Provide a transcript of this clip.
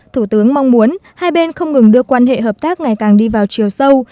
thủ tướng mong muốn hai bên không ngừng đưa quan hệ hợp tác ngày càng đi vào chiều sâu